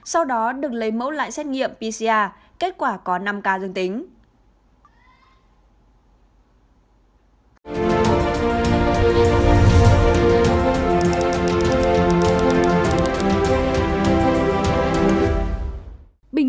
sau đó được lấy mẫu lại xét nghiệm pcr kết quả có năm ca dương tính